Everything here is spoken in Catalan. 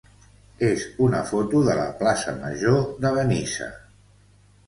és una foto de la plaça major de Benissa.